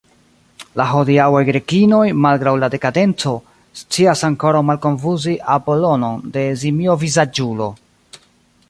La hodiaŭaj Grekinoj, malgraŭ la dekadenco, scias ankoraŭ malkonfuzi Apollon'on de simiovizaĝulo.